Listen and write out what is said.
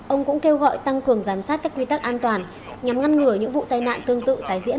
ông cũng kêu gọi tăng cường giám sát các quy tắc an toàn nhằm ngăn ngừa những vụ tai nạn tương tự tái diễn